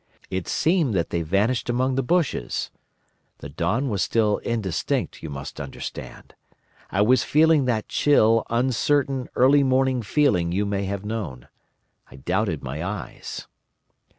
It seemed that they vanished among the bushes. The dawn was still indistinct, you must understand. I was feeling that chill, uncertain, early morning feeling you may have known. I doubted my eyes.